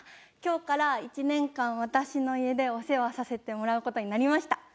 今日から１年間私の家でお世話させてもらう事になりました。